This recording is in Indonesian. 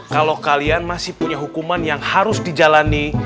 kalau kalian masih punya hukuman yang harus dijalani